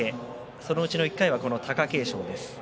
その１回は貴景勝です。